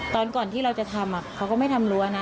ตอนก่อนที่เราจะทำเขาก็ไม่ทำรั้วนะ